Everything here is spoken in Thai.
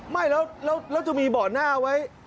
ไม่แล้วจะมีเบาะหน้าไว้